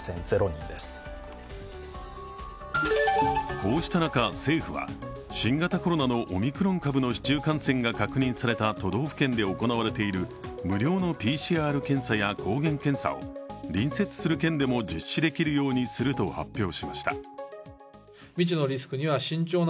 こうした中、政府は新型コロナのオミクロン株の市中感染が確認された都道府県で行われている無料のＰＣＲ検査や抗原検査を隣接する県でも実施できるようにすると発表しました。